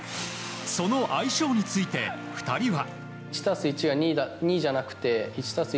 その相性について２人は。